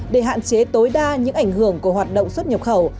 để hạn chế tối đa những ảnh hưởng của hoạt động xuất nhập khẩu